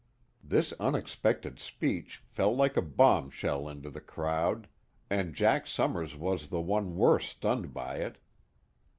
This unexpected speech fell like a bombshell into the crowd, and Jack Summers was the one worst stunned by it.